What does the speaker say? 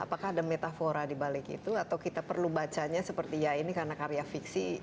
apakah ada metafora dibalik itu atau kita perlu bacanya seperti ya ini karena karya fiksi